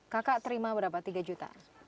kakak terima berapa tiga juta